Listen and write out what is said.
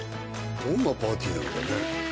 どんなパーティーなのかね？